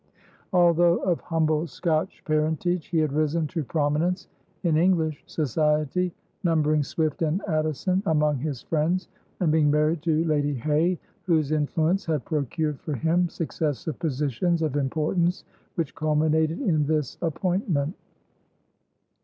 Although of humble Scotch parentage he had risen to prominence in English society, numbering Swift and Addison among his friends and being married to Lady Hay, whose influence had procured for him successive positions of importance which culminated in this appointment.